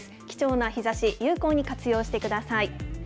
貴重な日ざし、有効に活用してください。